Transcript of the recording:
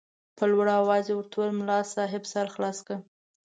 په لوړ اواز یې ورته وویل ملا صاحب سر خلاص که.